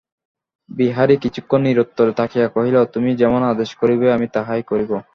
বিহারী কিছুক্ষণ নিরুত্তরে থাকিয়া কহিল, তুমি যেমন আদেশ করিবে আমি তাহাই করিব।